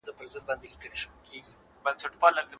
ولسمشر د لويې جرګي غړو ته وينا کوي.